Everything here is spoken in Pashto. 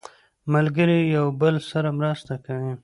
ملګري یو بل سره مرسته کوي